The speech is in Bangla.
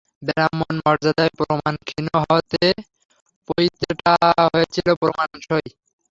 ব্রাহ্মণ-মর্যাদায় প্রমাণ ক্ষীণ হওয়াতে পইতেটা হয়েছিল প্রমাণসই।